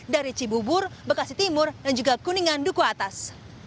dari cibubur bekasi timur dan juga kuningan duku atas